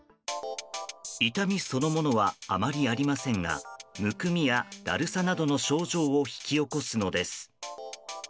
痛みそのものはあまりありませんがむくみや、だるさなどの症状を引き起こすのです。